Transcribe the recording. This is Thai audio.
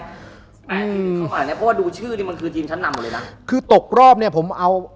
เพราะว่าดูชื่อคนมึงมันคือทีมชั้นนำ